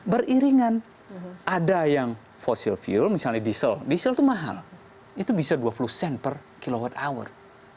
beriringan ada yang fossil fuel misalnya diesel diesel itu mahal itu bisa dua puluh sen per kilowatt hour